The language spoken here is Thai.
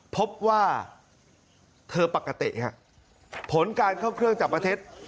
พบว่าเธอปกติฮะผลการเข้าเครื่องจับเท็จ